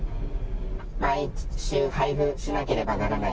毎週配布しなければいけない